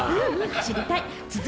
走りたい。